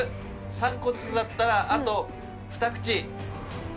３個ずつだったらあと２口。